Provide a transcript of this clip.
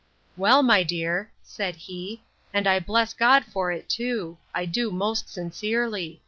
Well, my dear, said he, and I bless God for it too!—I do most sincerely!